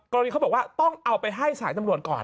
เขาบอกว่าต้องเอาไปให้สายตำรวจก่อน